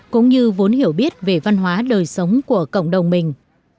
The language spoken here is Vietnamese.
cũng như vốn hiểu biết về văn hóa đời sống của cộng đồng mình